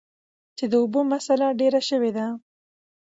چې د اوبو مسله ډېره شوي ده ـ